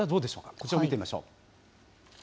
こちらを見てみましょう。